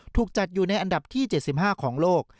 ถูกจัดอยู่ในอันดับที่๗๕ของโลก